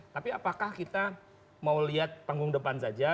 tapi apakah kita mau lihat panggung depan saja